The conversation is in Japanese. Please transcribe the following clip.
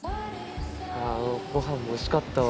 ごはんもおいしかったわ。